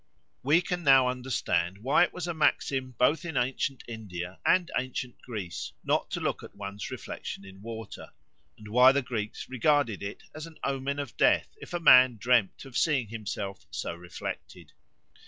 We can now understand why it was a maxim both in ancient India and ancient Greece not to look at one's reflection in water, and why the Greeks regarded it as an omen of death if a man dreamed of seeing himself so reflected.